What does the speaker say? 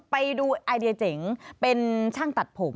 ไปดูไอเดียเจ๋งเป็นช่างตัดผม